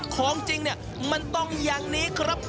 ของจริงเนี่ยมันต้องอย่างนี้ครับ